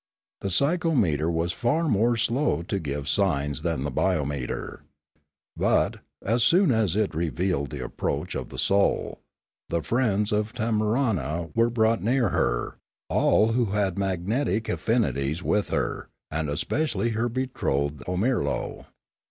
The psychometer was far more slow to give signs than the biometer. But, as soon as it revealed the approach of the soul, the friends of Tamarna were brought near her, all who had magnetic affinities with her, and especially her betrothed Omirlo.